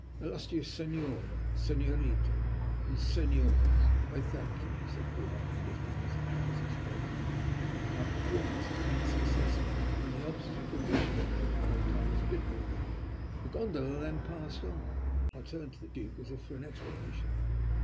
"Illustrious Senora, Senorita, and Senors, I thank you," he said, politely lifting his hat as he spoke. "Our performance has been successful, and the obstacle which threatened it at one time has been removed." The gondola then passed on, and I turned to the Duke as if for an explanation.